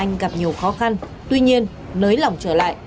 gặp nhiều khó khăn tuy nhiên nới lỏng trở lại